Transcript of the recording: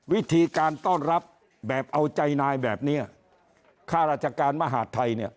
วิธีการต้อนรับแบบเอาใจนายแบบเนี้ยค่าราชการมหาดไทยเนี่ย